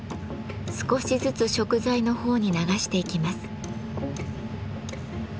少しずつ食材のほうに流していきます。